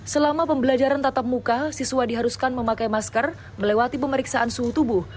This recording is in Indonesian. selama pembelajaran tatap muka siswa diharuskan memakai masker melewati pemeriksaan suhu tubuh